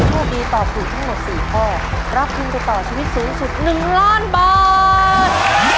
โชคดีตอบถูกทั้งหมด๔ข้อรับทุนไปต่อชีวิตสูงสุด๑ล้านบาท